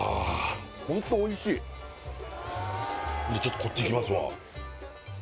ホントおいしいちょっとこっちいきますわ